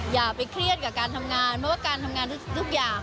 อย่าไปเครียดกับการทำงานเพราะว่าการทำงานทุกอย่าง